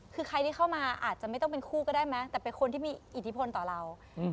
คือใครที่เข้ามาอาจจะไม่ต้องเป็นคู่ก็ได้มั้งแต่เป็นคนที่มีอิทธิพลต่อเรา